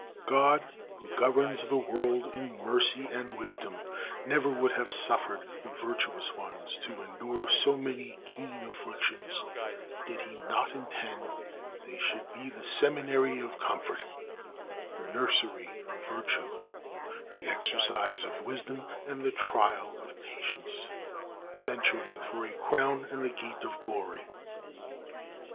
God, who governs the world in mercy and wisdom, never would have suffered the virtuous ones to endure so many keen afflictions did he not intend that they should be the seminary of comfort, the nursery of virtue, the exercise of wisdom, and the trial of patience, the venturing for a crown and the gate of glory.